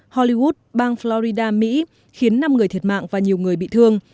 hollywood bang florida mỹ khiến năm người thiệt mạng và nhiều người bị thương